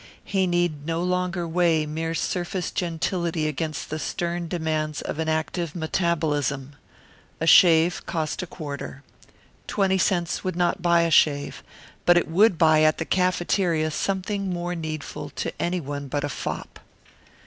He need no longer weigh mere surface gentility against the stern demands of an active metabolism. A shave cost a quarter. Twenty cents would not buy a shave, but it would buy at the cafeteria something more needful to any one but a fop.